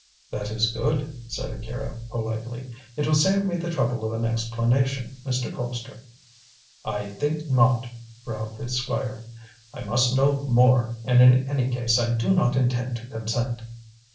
"That is good," said Akira politely, "it will save me the trouble of an explanation, Mr. Colpster." "I think not," growled the Squire. "I must know more, and in any case I do not intend to consent."